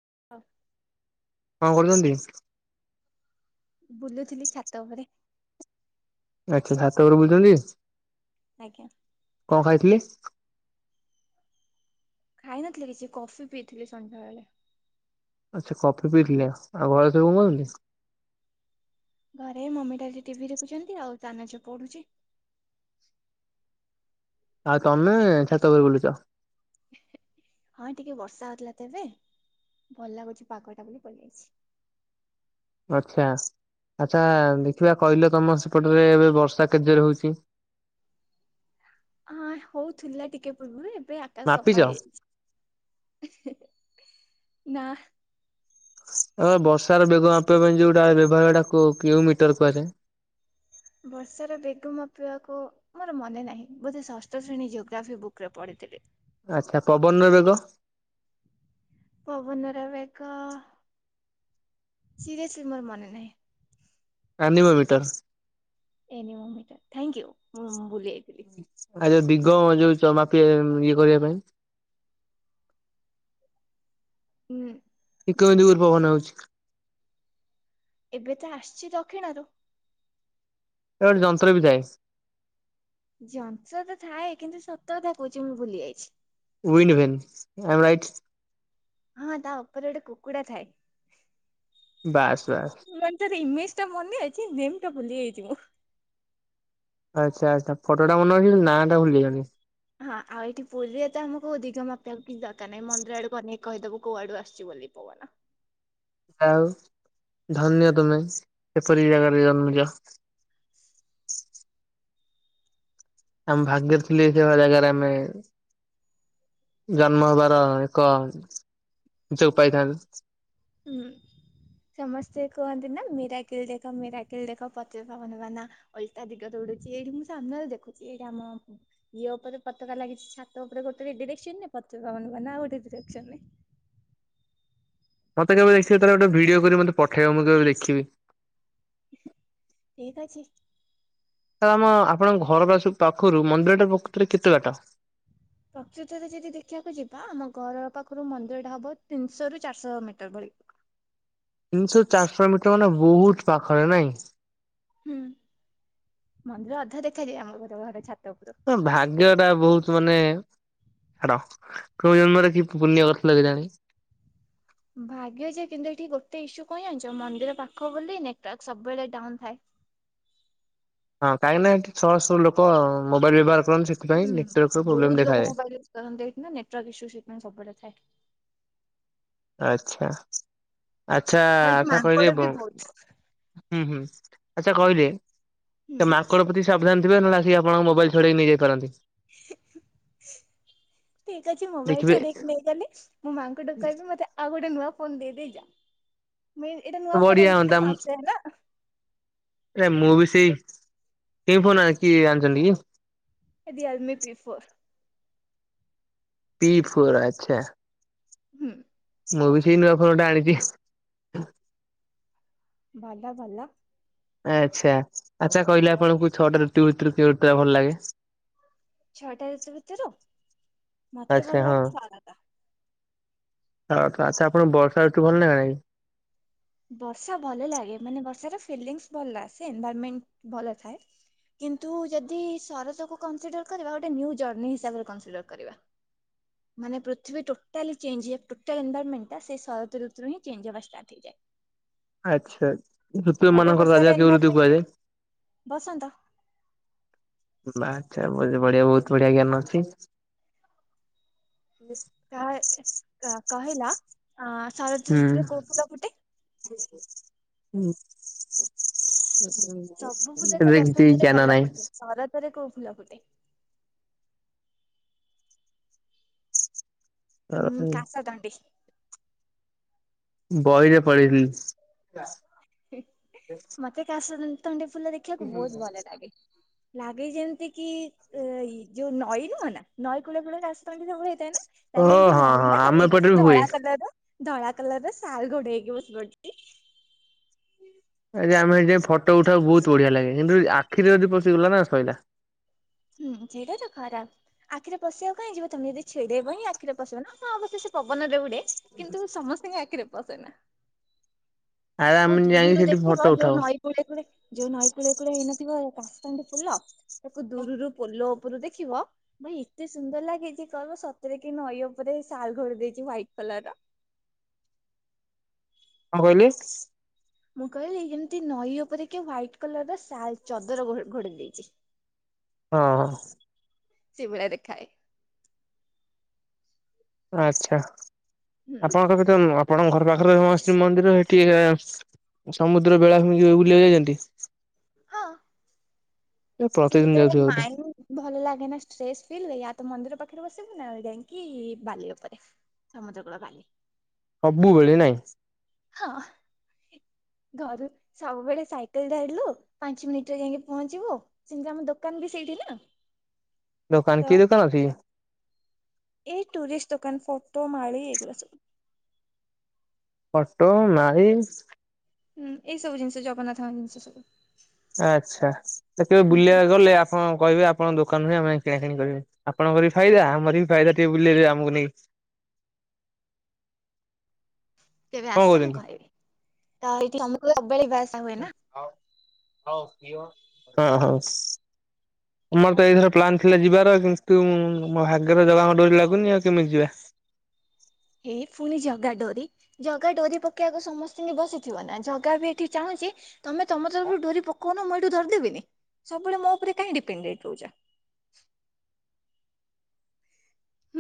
[inaudible] କଣ କରୁଛନ୍ତି। ବୁଲୁଥିଲି ଛାତ ଉପରେ। ଆଚ୍ଛା ଛାତପରେ ବୁଲୁଛନ୍ତି। ଆଜ୍ଞା। କଣ ଖାଇକି। ଖାଇନଥିଲେ କିଛି କଫି ପିଇଥିଲେ ସନ୍ଧ୍ୟାବେଳେ‌। ଆଚ୍ଛା କଫି ପିଇଥିଲେ ଆଉ [unintelligible] ଘରେ ମମି ଡାଡି ଟିଭି ଦେଖୁଛନ୍ତି‌ ଆଉ ଚାନଚ ପଢୁଛି। ଆ ତମେ ଛାତ‌ଉପରେ ବୁଲୁଚ। ହଁ ଟିକେ ବର୍ଷା ହଉଥିଲା ତ ଏବେ ଭଲ ଲାଗୁଛି ପାଗଟା ବୋଲି ପଳେଇଆସିଛି। ଆଚ୍ଛା ଆଛା ଦେଖିବା କହିଲ ତମ ସେପଟରେ ଏବେ ବର୍ଷା କେତେଯୋରେ ହଉଛି। ହଁ ହଉଥିଲା ଟିକେ ପୂର୍ବରୁ ଏବେ ଆକାଶ ମାପିଛ? ସଫା ହେଇଯାଚି। ଉହୁଁ ନା। ଆ ବର୍ଷାର ବେଗ ମାପିବା ପାଇଁ ଯୋଉଟା ବ୍ୟବହାରଟା କେଉ ମିଟର କୁହାଯାଏ। ବର୍ଷାର ବେଗ ମାପିବାକୁ। ମୋର ମନେ ନାହିଁ ବୋଧେ ଷଷ୍ଠ ଶ୍ରେଣୀ ଯୋଗ୍ରାଫି ବୁକ୍ ରେପଢିଥିଲି। ଆଚ୍ଛା ପବନର ବେଗ। ପବନର ବେଗ। ଶିରୀୟସ୍ଲି ମୋର ମନେ ନାହିଁ। Anemometer. Anemometer thank you ମୁଁ ଭୁଲି ଯାଇଥିଲି। ଆ ଯୋଉ ଦିଗ ଯୋଉ ଚମାପିଏ ଇଏ କରିବା ପାଇଁ। ହୁଁ। ଇକଦିଗର ପବନ ହଉଛି। ଏବେ ତ ଆଶୁଚି ଦକ୍ଷିଣରୁ। ଏ ଓ ଯନ୍ତ୍ର ବିଦାୟ ଥାଏ। ଜଂଷତ ଥାଏ କିନ୍ତୁ ସତ କଥା କହୁଛି ମୁଁ ଭୁଲି ଯାଇଛି। ଉୱଇନ ହୁଏନି ଆଇ ଆମ୍ ରାଇଟ। ହଁ ତା ଉପରେ ଗୋଟେ କୁକୁଡ଼ା ଥାଏ। ବାସ୍ ବାସ୍। ମାନେ ତାର ଇମେଜ ଟା ମନେଅଛି ଥିମ ଟା ଭୁଲି ଯାଇଛି ମୁଁ। ଆଚ୍ଛା ଆଚ୍ଛା ତା ଫଟୋଟା ମନେ ଅଛି କିନ୍ତୁ ନାଁ ଟା ଭୁଲିଗନି। ହଁ ଆଉ ଏଇଠି ପୁରୀରେ ତ ଆମକୁ ଦିଗ ମାପିଵାକୁ କିଛି ଦରକାର ନାହିଁ ମନ୍ଦିର ଆଡକୁ ଅନେଇ କହିଦବୁ କୋଉଆଡୁ ଆସଛି ବୋଲି ପବନ। ଆଉ ଧନ୍ୟ ତମେ ଏପୁରୀ ଜାଗାରେ ଜନ୍ମ ନେଇଚ। ଆମ ଭାଗ୍ୟରେ ଥିଲେ ଏମିନ୍ତିକା ଜାଗାରେ ଆମେ। ଜନ୍ମ ହେବାର ଏକ ସୁଯୋଗ ପାଇଥାନ୍ତି। ଉଁ ହୁଁ। ସମସ୍ତେ କୁହନ୍ତି ନା ମିରାକିଲ ଦେଖ ମିରାକିଲ ଦେଖ ପତିତ ପାାଗନ ବାନା। ଓଲଟା ଦିଗ ଦୌଡୁଛି ଏଇଠି ମୁଁ ସାମ୍ନାରେ ଦେଖୁଛି ଏଇଠି ଆମ। ଇଏ ଉପରେ ପତାକା ଲାଗିଛି ଛାତ ଉପରେ ଗୋଟେ ଡିରେକ୍ସନ ରେ ପତିତପାବନ ବାନା ଆଉ ଗୋଟେ ଡେରିଏକ୍ସନରେ। ମତେକେବେ ଦେଖିବ ତାର ଗୋଟେ ଭିଡିଓ କରି ମତେ ପଠେଇବ ମୁଁ ତାକୁ ଦେଖିବି। ଠିକ୍ ଅଛି। ତ ଆମ ଆପଣଙ୍କ ଘର ପାଖରୁ ମନ୍ଦିର ଟା ପ୍ରକୁତରେ କେତେ ବାଟ। ପ୍ରକୃତରେ ଯଦି ଦେଖିବାକୁ ଯିବା ଆମ ଘର ପାଖରୁ ମନ୍ଦିର ଟା ହବ ତିନିଶହ ରୁ ଚାରିଶହ ମିଟର ପରି। ତିନିଶହ ରୁ ଚାରିଶହ ମିଟର ମାନେ ବହୁତ୍ ପାଖରେ ନାଇଁ। ହୁଁ ମନ୍ଦିର ଅଧା ଦେଖାଯାଏ ଆମ ଘର ଛାତ ଉପୁରୁ। ଭାଗ୍ୟ ଟା ବହୁତ ମାନେ ଛାଡ କୋଉ ଜନ୍ମରେ କି ପୁଣ୍ୟ କରିଥିଲ କେ ଜାଣି। ଭାଗ୍ୟଜେ କିନ୍ତୁ ଏଠି ଗୋଟେ ଇସ୍ୟୁ କଣ ଯାଣିଛ ମନ୍ଦିର ପାଖ ବୋଲି ନେଟୱାର୍କ ସବେଳେ ଡାଉନ ଥାଏ। ହଁ କାହିଁକିନା ଏଠି ଶହ ଶହ ଲୋକ ମୋବାଇଲ ବ୍ୟବହାର କରନ୍ତି ସେଥିପାଇଁ ନେଟୱାର୍କର ପ୍ରୋବ୍ଲେମ୍ ଦେଖାଯାଏ। ପବନ ଦେଇକିନା ନେଟୱାର୍କ ଇସୁ ସେଥିପାଇଁ ସବୁ ବେଳେ ଥାଏ। ଆଛା ଆଛା ଆଉ ଏଠି ଆଛା ମାଙ୍କଡ କହିଲେ ବି ହୁଁ ବହୁତ। ହୁଁ ଆଚ୍ଛା କହିଲେ ଏ ହୁଁ ମାଙ୍କଡ଼ ପ୍ରତି ସାବଧାନ ଥିବେ ନ ହେଲେ ଆସି ଆପଣଙ୍କ ମୋବାଇଲ ଛଡେଇ ନେଇଯାଇ ପାରନ୍ତି। ହୁଁ। ଠିକ୍ ଅଛି ମୋବାଇଲ ଦେଖିବେ ଛଡେଇିକି ନେଇ ଗଲେ ମୁଁ ମାଙ୍କଡ଼ କୁ କହିବି ମତେ ଆଉ ଗୋଟେ ନୂଆ ଫୋନ ଦେଇ ଦେଇଯା ଏଟା ନୂଆ ଫୋନ ବଢିଆ ଆଣିଛି ହୁଅନ୍ତା ନା ମାସେ ହେଲା। ଆରେ ମୁଁ ବି ସେଇ କି ଫୋନ ଆଣି ଆଣିଛନ୍ତି କି? Realme P four. P four ଆଚ୍ଛା। ହୁଁ। ମୁଁ ବି ସେଇ ନୂଆ ଫୋନ ଗୋଟେ ଆଣିଛି। ଭଲ ଭଲ। ଆଚ୍ଛା ଆଚ୍ଛା କହିଲ ଆପଣଙ୍କୁ ଛଅଟା ଋତୁ ଭିତରୁ କେଉଁ ଋତୁ ଟା ଭଲ ଲାଗେ। ଛଅଟା ଋତୁ ଭିତରୁ ମତେ ଭଲ ଆଛା ହଁ ଲାଗେ ଶରତ। ଆଚ୍ଛା ଆପଣଙ୍କୁ ବର୍ଷା ଋତୁ ଭଲ ଲାଗେ ନା ନାଇଁ। ବର୍ଷା ଭଲ ଲାଗେ ମାନେ ବର୍ଷା ର ଫିଲିଙ୍ଗ୍ସ ଭଲ ଆସେ ଏନଭରମେଣ୍ଟ ଭଲ ଥାଏ। କିନ୍ତୁ ଯଦି ଶରତକୁ କନସିଡର କରିବା ଗୋଟେ ନିଉ ଜର୍ଣି ହିସାବରେ କନସିଡର କରିବା। ମାନେ ପୃଥିବୀ ଟୋଟାଲି ଚେଞ୍ଜ ହୁଏ ଟୋଟାଲ ଏନଭ ରନମେଣ୍ଟ ଟା ସେ ଶରତ ଋତୁ ରେ ହିଁ ଟୋଟାଲ ଚେଞ୍ଜ ହବା ଷ୍ଟାର୍ଟ ହେଇଯାଏ। ଆଚ୍ଛା ଋତୁ ଖରା ମାନଙ୍କର ରାଜା ବର୍ଷାର କେଉଁ ଋତୁ କୁ ଏନଭାରମେଣ୍ଟ କୁହାଯାଏ। ବସନ୍ତ ବାଃ ଆଛା ବହୁତ ବଢିଆ ବହୁତ ବଢିଆ ଜ୍ଞାନ ଅଛି। ତାହା ହେଲେ ତ କହିଲା ଅ ଶରତ ଋତୁରେ କୋଉ ଫୁଲ ଫୁଟେ? ହୁଁ। ସବୁ ଫୁଲ ତ ଏମିତି ବସନ୍ତରେ ଜ୍ଞାନ ଭଲ ନାହିଁ। ଫୁଟେ ଶରତରେ କୋଉ ଫୁଲ ଫୁଟେ। ହୁଁ କାସତଣ୍ଡି। ବହିରେ ପଡିଥିଲି। ମତେ କାଶ ତଣ୍ଡି ଫୁଲ ଦେଖିବାକୁ ବହୁତ୍ ଭଲ ଲାଗେ। ଲାଗେ ଯେମିତି କି ଯୋଉ ନଈ ନୁହଁ ନା ନଈ କୂଳ କୂଳ କାଶତଣ୍ଡି ସବୁ ହେଇଥାଏ ନା। ଓ ତା କେମିତି ହଁ ନଈ ହଁ ନା ଆମ ଏପଟେ ବି ହୁଏ। ଧଳା କଲର ଧଳା କଲର ସାଲ୍ ଘୋଡେଇ ହେଇକି ବସି ପଡ଼ିଚି। ଏଇ ଜାଇ ଆମେ ଏଇ ଯୋଉ ଫଟୋ ଉଠା ବହୁତ୍ ବଢିଆ ଲାଗେ କିନ୍ତୁ ଆଖିରେ ଯଦି ପଶିଗଲା ନା ଶଇଲା। ହୁଁ ସେଇଟା ତ ଖରାପ୍। ଆଖିରେ ପଶିବାକୁ କାଇଁ ଯିବ ତମେ ଛିଣ୍ଡେଇବ ହିଁ ଆଖିରେ ପଶିବ ନା ହଁ ଅବଶ୍ୟ ସେ ପବନରେ ଉଡେ। କିନ୍ତୁ ସମସ୍ତିଙ୍କି ଆଖିରେ ପସେନା। ଆରେ ଆଉ ଆମେ ଯାଇକି ଧୁରୁରୁ ସେଠି ଦେଖିବ ଫଟୋ ଯୋଉ ଉଠାଉ। ନଈ। କୁଲେ କୁରେ ଯୋଉ ନଈ କୂଳେ କୂଳେ ହେଇ ନଥିବ କାଶତଣ୍ଡି ଫୁଲ ତାକୁ ଦୁରୁରୁ ପୋଲ ଓ ପୁରୁ ଦେଖିବ? ଭାଇ ଏତେ ସୁନ୍ଦର ଲାଗେ ଯେ ଯେ କହିବ ସତରେ କି ନଈ ଉପରେ ଶାଲ ଘୋଡେଇ ଦେଇଛି ଦ୍ୱାଇଟ୍ କଲର ର। କଣ କହିଲି। ମୁଁ କହିଲି ଏମିତି ନଈ ଉପରେ କିଏ ହ୍ୱାଇଟ କଲର ର ଶାଲ୍ ଚଦର ଘୋ ଘୋଡେଇ ଦେଇଚି। ହଁ ହଁ। ସେ ଭଳିଆ ଦେଖା ହୁଏ। ଆଚ୍ଛା ହୁଁ ଆପଣଙ୍କ ତ ନୁହଁ ଆପଣଙ୍କ ଘର ପାଖରେ ଶ୍ରୀ ମନ୍ଦିର ଏଠି ଇଏ ସମୁଦ୍ର ବେଳାଭୂମି କି କେବେ ବୁଲିବାକୁ ଯାଇଚନ୍ତି। ହଁ ସେ ପ୍ରତିଦିନ ଯେତେବେଳେ ଯାଉଥିବେ ବୋଧେ ମାଇଁ ଭଲ ଲାଗେ ନା ଷ୍ଟ୍ରେସ୍ ଫିଲ୍ ରେ ୟା ତ ମନ୍ଦିର ପାଖରେ ବସିବୁ ନା ଯାଇଙ୍କି ବାଲି ଉପରେ। ସମୁଦ୍ର କୁଳ ବାଲି। ସବୁବେଳେ ନାଇଁ। ହଁ ଘରୁ। ସବୁବେଳେ ସାଇକେଲରେ ଜାଇଥିଲୁ ପାଞ୍ଚ ମିନିଟରେ ଯାଇକି ପହଞ୍ଚିବୁ। ସେମିତି ଆମ ଦୋକାନ ବି ସେଇଠି ନା। ଦୋକାନ ତ କି ଦୋକାନ ଅଛି କି। ଏଇ ଟୁରିଷ୍ଟ ଦୋକାନ ଫୋଟୋ ମାଳିି ଏଇଗୁଡ଼ା ସବୁ। ଫଟୋ ମାଳି ହୁଁ ଏଇ ସବୁ ଜିନିଷ ଜଗନ୍ନାଥଙ୍କ ଜିନିଷ ସବୁ। ଆଚ୍ଛା କେବେ ହୁଁ ବୁଲିବାକୁ ଗଲେ ଆପଣଙ୍କୁ କହିବି ଆପଣଙ୍କ ଦୋକାନରେ ଆମେ କିଣାକିଣି କରିବୁ। ଆପଣଙ୍କର ବି ଫାଇଦା ଆମର ବି ଫାଇଦା ଟିକେ ବୁଲେଇଲେ ଆମକୁ ନେଇ। କେବେ କଣ ଆସ ମୁଁ କହୁଛନ୍ତି? କହିବି ତ ଏଇଠି ତମକୁ ସବୁବେଳେ ଯିବା ଆସି ହ ହଉ। ତମର ତ ଏଇଥର ପ୍ଲାନ୍ ଥିଲା ଯିବାର କିନ୍ତୁ ମୋ ଭାଗ୍ୟରେ ଜଗାଙ୍କ ଡୋରି ଲାଗୁନି ଆଉ କେମିତି ଯିବା। ଏ ଫୁଣି ଜଗା ଡୋରି। ଜଗା ଡୋରି ପକେଇବାକୁ ସମସ୍ତିଙ୍କି ବସିଥିବ ନା ଜଗା ବି ଏଠି ଚାହୁଁଛି। ତମେ ତମ ତରଫରୁ ଡୋରି ପକଉନ ମୁଁ ଏଇଠୁ ଧରିଦେବିନି ସବୁବେଳେ ମୋ ଉପରେ କାହିଁ ଡିପେଣ୍ଡେଟ୍ ହେଇକି ରହୁଛ।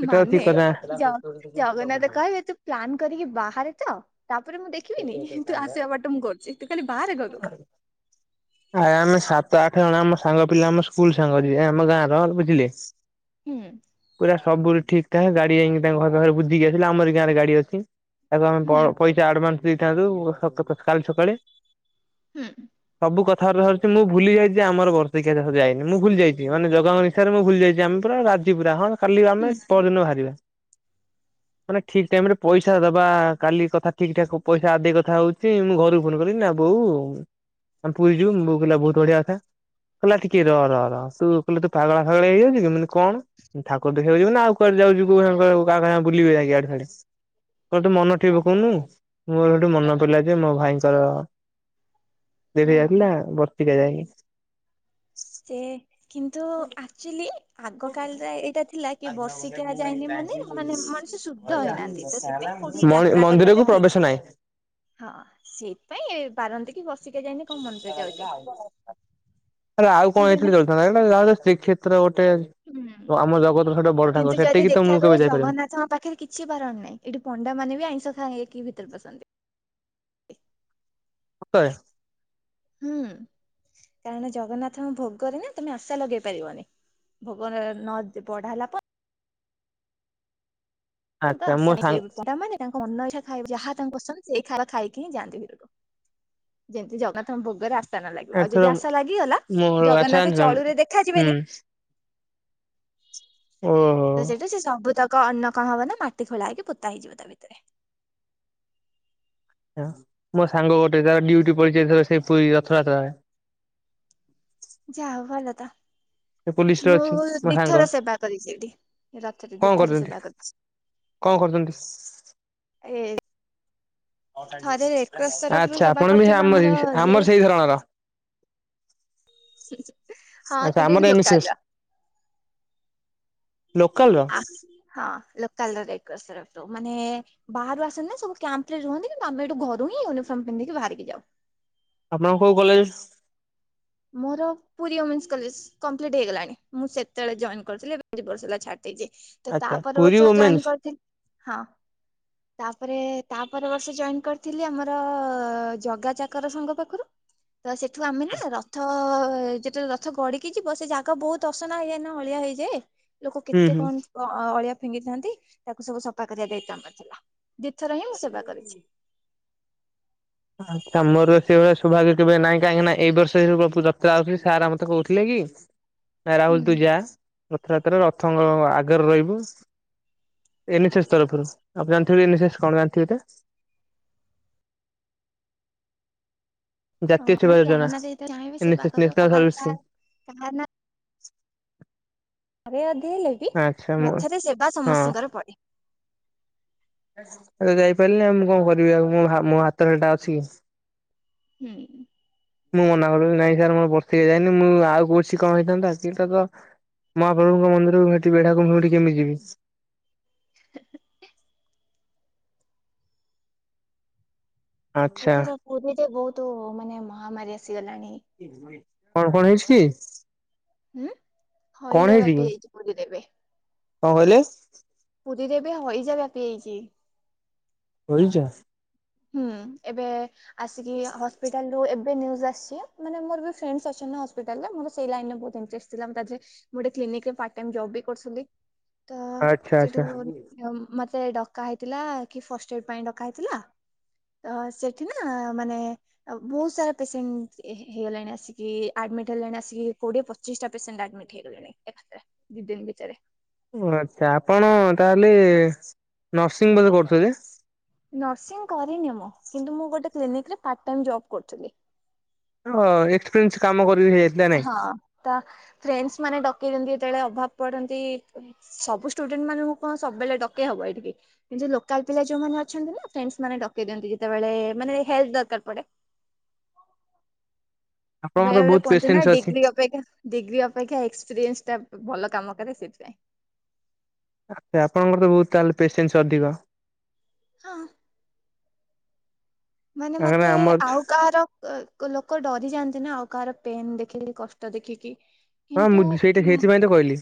ଏଟା ମାନେ ଠିକ କଥା ଜ ଜଗନ୍ନାଥ କହିବେ ତୁ ପ୍ଲାନ୍ କରିକି ବାହାରେ ତ ତାପରେ ମୁଁ ଦେଖିବିନି ତୁ ଆସିବା ବାଟ ମୁଁ କରୁଛି ତୁ ଖାଲି ବାହାରେ ଘରୁ। ଆ ଆମେ ସାତ ଆଠ ଜଣ ଆମ ସାଙ୍ଗ ପିଲା ଆମ ସ୍କୁଲ ସାଙ୍ଗ ଯିବେ ଆମ ଗାଁ ର ବୁଝିଲେ। ହୁଁ। ପୁରା ସବୁ ଠିକ୍ ଠାକ୍ ଗାଡି ଯାଇଙ୍କି ତାଙ୍କ ଘର ପାଖେ ବୁଝିକି ଆସିଲେ ଆମରି ଗାଁରେ ଗାଡି ଅଛି। ଏବେ ଆମ ହୁଁ କଣ ପଇସା ଆଡ଼ଭାନ୍ସ ଦେଇଥାନ୍ତୁ କ କ କାଲ୍ ସକାଳେ। ହୁଁ। ସବୁ କଥାବର୍ତା ସରିଛି ମୁଁ ଭୁଲି ଯାଇଛି ଆମର ବର୍ଷିକିଆ ଯା ହୋଉ ଯାଇନି ମୁଁ ଭୁଲି ଯାଇଛି ମାନେ ଜଗା ଙ୍କ ରେ ସାରେ ମୁଁ ଭୁଲି ଯାଇଛି ଆମେ ପୁରା ରାଜି ପୁରା ହଁ କାଲି ହୁଁ ଆମେ ପରଦିନ ବାହାରିବା। ମାନେ ଠିକ୍ ଟାଇମି ରେ ପଇସା ଦବା କାଲି କଥା ଠିକ୍ ଠାକ୍ ପଇସା ଆଦେଇ କଥା ହଉଛୁ। ସେ ମୁଁ ଘରକୁ ଫୋନ କଲିି ନା ବୋଉ। ଆମେ ପୁରୀ ଯିବୁ ବୋଉ କହିଲା ବହୁତ୍ ବଢିଆ କଥା। କହିଲ ଟିକେ ର ର ର ତୁ କହିଲା ତୁ ପାଗଳା ଫାଗଳିଆ ହେଇଯାଉଛିକି ମୁଁ କହିଲି କଣ। ଠାକୁର ଦେଖିବାକୁ ଯିବ ନା ଆଉୁ କୁଆଡେ ଯାଉଛି କୁଆଡେ କୁଆଡେ କାହା କାହା ସାଙ୍ଗେ ବୁଲିବି ଯାଇଁ କି ଇଆଡେ ସିଆଡେ। କହିଲା ତୁ ମନ ଠିକି ପକଉନୁ ମୋର ସେଠୁ ମନ ପଡିଲା ଯେ ମୋ ଭାଇଙ୍କର ଡେରିରେ ଓହୋ ଯାଇଥିଲା ବର୍ତିକା ଯାଇନ୍ ସେ କିନ୍ତୁ ୱାଚଲି ଆଗ କାଳରେ ଏଇଟା ଥିଲା କି ବର୍ଷିକିଆ ଯାଇନି ମାନେ ମାନେ ମଣିଷ ଶୁଦ୍ଧ ହେଇନାହାନ୍ତି ତ ସେଥିପାଇଁ କୋଉଠି ମଣି ଯାତ୍ରା ମନ୍ଦିରକୁ କରିବାଟା ଠିକ୍ ପ୍ରବେଶ ନାହିଁ। ନୁହଁ। ହଁ ସେଇଥିପାଇଁ ବାରନ୍ତି କି ବସିକିକା ଯାଇନି କଣ ମନ୍ଦିର ଯାଉଛୁ ଆରେ ଆଉ କଣ କିନ୍ତୁ ଏଇନା ହେଇଥିଲେ ଚଳିଥାନ୍ତା। ଏଟା ଯାହେଲେ ଶ୍ରୀକ୍ଷେତ୍ର ଗୋଟେ। ହୁଁ। ତ ଆମ ଜଗତର ସେଇଟା ବ କିନ୍ତୁ ଯଦି ଦେଖିବାକୁ ହୁଏ ଜଗନ୍ନାଥଙ୍କ ପାଖରେ କି ଛି ବାରଣ ନାଇଁ ଏଠି ପଣ୍ଡାମାନେ ବି ଆଇଁଷ ଖାଇକି ଭିତରେ ପସନ୍ତି। ସତରେ ହୁଁ କାରଣ ଜଗନ୍ନାଥଙ୍କ ଭୋଗରେ ନା ତମେ ଆଶା ଲଗେଇ ପାରିବନି। ଭୋଗ ରେ ନଦ ବଢା ହେଲା ପ ଆଚ୍ଛା ମୋ ଆଶା ସାଙ୍ଗ [unintelligible] ତା ମାନେ ତାଙ୍କ ମନ ଇଚ୍ଛା ଖାଇବା ଯାହା ତାଙ୍କ ପସନ୍ଦସେଇ ଖାଇବା ଖାଇକି ହିଁ ଯାଆନ୍ତି ଭିତରୁକୁ। ଯେମିତି ଜଗା ତମ ଭୋଗରେ ଆସ ଆଶା ନ ଲାଗିବ ଆଉ ଏଥର ଯଦି ଆଶା ଲାଗିଗଲା ମୋର ଆଚ୍ଛା ଜଗନ୍ନାଥ ଜାଣିଛ ଚଳୁରେ ହୁଁ ଦେଖାଯିବେନି। [inaudible] ଓ। ତ ସେଇଠୁ ସେ ସବୁତକ ଅନ୍ନ କଣ ହବ ନା ମାଟି ଖୋଳା ହେଇକି ପୋତା ହେଇଯିବ ତା ଭିତରେ। ମୋ ସାଙ୍ଗ ଗୋଟେ ତାର ଡ୍ୟୁଟି ପଡିଛି ଏଥର ସେଇ ପୁରୀ ରଥଯାତ୍ରାରେ। ଯାଅ ହଉ ଭଲ ତ। ସେ ପୋଲିସରେ ମୁଁ ଅଛି ମୋ ସାଙ୍ଗ ଦିଥର ସେବା କରିଛି ଏଠି ରଥରେ କଣ ଦିଥର କରୁଛନ୍ତି ସେବା କରିଛି। କଣ କରିଛନ୍ତି? ଏ ଥରେ ରେଡ୍କ୍ରସ [inaudible] ତରଫରୁ ଆଛା ସେବା ଆପଣ ବି କରିଥିଲୁ ଆମର ଆମରି ଇଏ ଆମର ସେଇ ଧରଣର। ହଁ ଆଚ୍ଛା କିନ୍ତୁ ଆମର ଏଇଠି ଏମ ସି ଏସ୍ ନୋକାଲ ର। ଲୋକାଲ ର? ଆ ହଁ ଲୋକାଲ ରେ ଏକସରୁଫ ଦେଉ ମାନେ ବାହାରୁ ଆସନ୍ତି ନା ସବୁ କ୍ୟାମ୍ପ ରେ ରୁହନ୍ତି କିନ୍ତୁ ଆମେ ଏଠୁ ଘରୁ ହିଁ ୟନିଫର୍ମ ପିନ୍ଧିକି ବାହାରିକି ଯାଉ। ଆପଣଙ୍କ କୋଉ କଲେଜ? ମୋର ପୁରୀଓମେନ୍ସ କଲେଜ୍ କଂପ୍ଲିଟ୍ ହେଇଗଲାଣି। ମୁଁ ସେତେବେଳେ ଜୟନ୍ କରିଥିଲିଏବେ ଦି ବର୍ଷ ହେଲା ଛାଡି ଦେଇଛି। ତ ଆଚ୍ଛା ତାପର ପୁରୀ ବର୍ଷ ଓମେନ୍ସ ଜଏନ୍ କରିଥିଲି ହଁ ତାପରେ ତାପରେ ବର୍ଷ ଜଏନ୍ କରିଥିଲି ଆମର ଜଗା ଚାକର ସଂଘ ପାଖରୁ ତ ସେଠୁ ଆମେ ନା ର ଥ-ଯେତେବେଳେ ରଥ ଗଡିକି ଯିବ ସେ ଜାଗା ବହୁତ ଅସନା ହେଇଯାଏ ନା ଅଳିଆ ହେଇଯାଏ ଲୋକ ହୁଁ କେତେ ହୁଁ କଣ ଅଳିଆ ଫିଙ୍ଗିଥାନ୍ତି ତାକୁ ସବୁ ସଫା କରିବା ଦାୟିତ୍ୱ ଆମର ଥିଲା। ଦିଥର ହିଁ ମୁଁ ସେବା କରିଛି। ଆଚ୍ଛା ମୋର ସେଇଭଳିଆ ସୌଭାଗ୍ୟ କେବେ ନାଇଁ କାହିଁକି ନା ଏଇ ବର୍ଷରେ ପ୍ରଭୁ ରଥ ଯତ୍ରା ଆଉଛି ସାର୍ ମତେ କହୁଥିଲେ କି ରାହୁଲ ହୁଁ ତୁ ଯା ରଥଯାତ୍ରା ରଥଙ୍କ ଆଗରେ ରହିବୁ ଏନେସେସ୍ ତରଫରୁ ଆପଣ ଜାଣିଥିବେ ଏନେସେସ୍ କଣ ଜାଣିଥିବେ ତ। ଓ ଜାତୀୟ ହଁ ସେବା ଯୋଜନା ଜଗନ୍ନାଥ ଯେତେ ରହିବେ ସେବା ଏନ୍ଏସ୍ଏସ୍ କରିବ ନ୍ୟାସନାଲ ସର୍ଭିସ କାହାର କା ସ୍କିମ୍। କାହାର ନା ଥରେ ଅଧେ ହେଲେ ବି ଆଚ୍ଛା ମୁଁ ରଥରେ ସେବା ହଁ ସମସ୍ତଙ୍କର ପଡେ। ଆରେ ଯାଇପାରିଲିନି ଆଉ ମୁଁ କଣ କରିବି ଆଉ ମୋ-ମୋ ହାତରେ ଏଟା ଅଛି କି? [unintelligible] ମୁଁ ମନା କରି ନାଇଁ ସାର୍ ମୋର ବର୍ଷିକା ଯାଇନି ମୁଁ ଆଉ କୋଉ ଶିଖ ହେଇଥାନ୍ତା ସେ ତ ଗ ମହାପ୍ରଭୁଙ୍କମନ୍ଦିରକୁ ନିତିବେଢାକୁ ମୁଁ ସେଠି କେମିତି ଯିବି? [unintelligible] ଆଚ୍ଛା ଏଥର ପୁରୀରେ ବହୁତ ମାନେ ମହାମାରୀ ଆସିଗଲାଣି। ଚିଙ୍ଗୁଡି, କଣ କଣ ହେଇଛି କି? ହୁଁ କଣ ହଇଜା ହେଇଛି କି ବ୍ଯାପି ଯାଇଛି ପୁରୀରେ ଏବେ। କଣ କହିଲେ? ପୁରୀରେ ଏବେ ହଇଜା ବ୍ୟାପି ଯାଇଛି। ପୁଢିଛ! ହୁଁ ଏବେ ଆସିକି ହସ୍ପିଟାଲ ରୁ ଏବ ଏବେ ନ୍ୟୁଜ୍ ଆସିଛି ମାନେ ମର ବି ଫ୍ରେଣ୍ଡସ୍ ଅଛନ୍ତି ହସ୍ପିଟାଲରେ ମୋର ସେଇ ଲାଇନରେ ବହୁତ ଇଣ୍ଟରେଷ୍ଟ ଥିଲା ତା ଦେରେ ଗୋଟେ କ୍ଲିନିକରେ ପାର୍ଟ ଟାଇମ ଜବ୍ ବି କରୁଥିଲି ତ ଆଚ୍ଛା ସେଠୁ ଆଚ୍ଛା କଣ ୟମ ମତେ ଡକା ହେଇଥିଲା କି ଫାର୍ଷ୍ଟ ୟାର ପାଇଁ ଡକା ହେଇଥିଲା। ହଁ ସେଠି ବି ନା ମାନେ ବହୁତ ସାରା ପେସେଣ୍ଟ ହେଇଗଲାଣି ଆସିକି ଆଡମିଟ ହେଲାଣି ଆସିକି କୋଡିଏ ପଚ ପଚିଶଟା ପେସେଣ୍ଟ ଆଡମିଟ ହେଇଗଲେଣି ଏକ୍ସଟ୍ରା ଦି ଦିନ ଭିତରେ। ଓ ଆଚ୍ଛା ଆପଣ ତାହେଲେ ନର୍ସିଂ ବୋଧେ କରୁଥିବେଯେ? ନର୍ସିଂ କରିନି ମୁଁ, କିନ୍ତୁ ମୁଁ ଗୋଟେ କ୍ଲିନିକରେ ପାର୍ଟ ଟାଇମ ଜବ୍ କରୁଥିଲି। ହଁ ଏକ୍ସପିରିଏନ୍ସ କାମ କରି ହେତ ହଁ, ତା ଫ୍ରେଣ୍ଡ ମାନେ ଡକେଇଦନ୍ତି ଯେତେବେଳେ ଅଭାବ ପଡନ୍ତି। ସବୁ ଷ୍ଟୁଡେଣ୍ଟ ମାନଙ୍କୁ କଣ ସବୁବେଳେ ଡକେଇ ହବ ଏଠିକି। କିନ୍ତୁ ଲୋକାଲ ପିଲା ଯୋଉମାନେ ଅଛନ୍ତି ନା ଫ୍ରେଣ୍ଡସମାନେ ଡକେଇ ଦିଅନ୍ତି। ଯେତେବେଳେ ମାନ ହେଲ୍ପ ଦରକାର ପଡେ। ଆପଣଙ୍କର ବେଳେ ତ ବେଳେ ବହୁତ କୁହନ୍ତି ନା ପେସେନ୍ସ ଅଛି। ଡିଗ୍ରୀ ଅପେକ୍ଷା ଡିଗ୍ରୀ ଅପେକ୍ଷା ଏକ୍ସପିରିଏନ୍ସ ଟା ଭଲ କାମ କରେ ସେଥିପାଇଁ। ଆ, ଆପଣଙ୍କର ତ ବହୁତ ତାହେଲେ ପେସେନ୍ସ ଅଧିକ। ହଁ। ମାନେ କାହିଁକିନା ମତେ ଆମର ଆଉ କାହାର ତୋ, ଲୋକ ଡରି ଯାଆନ୍ତି ନା ଆଉ କାହାର ପେନ ଦେଖିକି କଷ୍ଟ ଦେଖିକି। ହଁ କିନ୍ତୁ, ମୁଁ ସେଇଟା ସେଇଥିପାଇଁ ତ କହିଲି।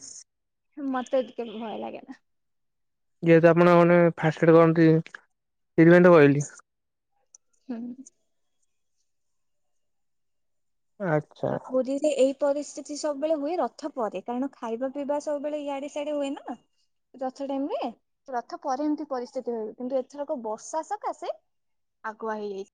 ଉଁ ମତେ ଟିକେ ଭୟ ଲାଗେନା। ଯେହେତୁ ଆପଣ ମାନେ ଫାଷ୍ଟ ଏଡ଼୍ କରନ୍ତି, ସେଥି ପାଇଁ ତ କହିଲି। ହୁଁ। ଆଚ୍ଛା। ସବୁରି। ଏଇ ପରିସ୍ଥିତି ସବୁବେଳେ ହୁଏ ରଥ ପରେ, କାରଣ ଖାଇବା ପିଇବା ସବୁବେଳେ ଇଆଡେ ସିଆଡେ ହୁଏ ନା। ରଥ ଟାଇମରେ ରଥ ପରେ ଏମିତି ପରିସ୍ଥିତି ହୁଏ। କିନ୍ତୁ ଏଥରକ ବର୍ଷା ସକା ସେ ଆଗୁଆ ହେଇଯାଇଛି।